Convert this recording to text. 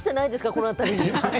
この辺りに。